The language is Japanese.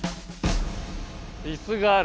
椅子がある。